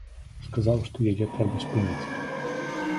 Сказаў, што яе трэба спыніць.